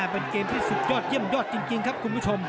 เป็นเกมที่สุดยอดเยี่ยมยอดจริงครับคุณผู้ชม